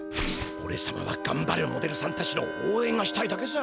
おれさまはがんばるモデルさんたちのおうえんがしたいだけさ。